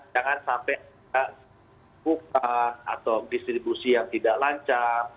jangan sampai buka atau distribusi yang tidak lancar